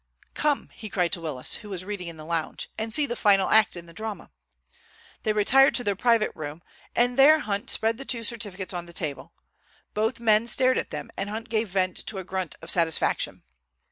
"Come," he cried to Willis, who was reading in the lounge, "and see the final act in the drama." They retired to their private room, and there Hunt spread the two certificates on the table. Both men stared at them, and Hunt gave vent to a grunt of satisfaction.